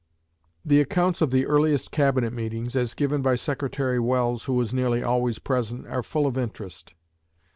The accounts of the earliest Cabinet meetings, as given by Secretary Welles, who was nearly always present, are full of interest.